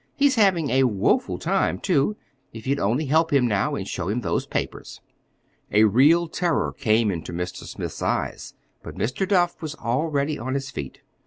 "He's having a woeful time, too. If you'd only help him, now, and show him those papers." A real terror came into Mr. Smith's eyes, but Mr. Duff was already on his feet.